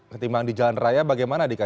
ketimbang di jalan raya bagaimana dika